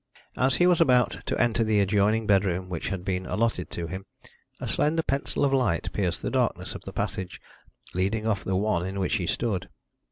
As he was about to enter the adjoining bedroom which had been allotted to him, a slender pencil of light pierced the darkness of the passage leading off the one in which he stood.